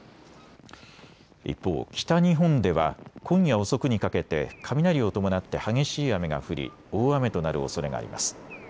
一方、北日本では今夜遅くにかけて雷を伴って激しい雨が降り大雨となるおそれがあります。